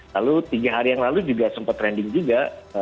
lalu tiga hari yang lalu juga sempat trending juga